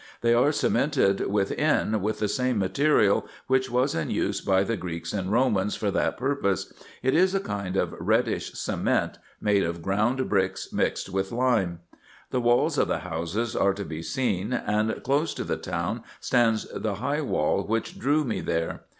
They are cemented within with the same material which was in use by the Greeks and Komans for that purpose : it is a kind of reddish cement, made of ground bricks mixed with lime. The walls of the houses are to be seen ; and close to the town stands the high wall which drew me there.